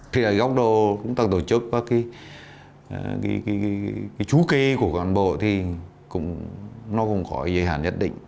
thì ở góc độ chúng ta tổ chức và cái chú kê của cán bộ thì nó cũng có giới hạn nhất định